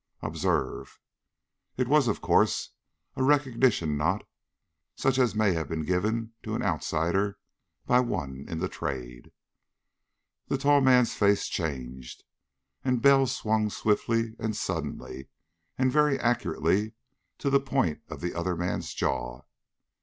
"Observe." It was, of course, a recognition knot such as may be given to an outsider by one in the Trade. The tall man's face changed. And Bell swung swiftly and suddenly and very accurately to the point of the other man's jaw.